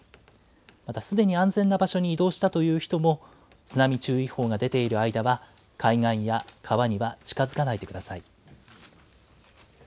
またすでに安全な場所に移動したという人も、津波注意報が出ている間は、海岸や川には近づかないでください。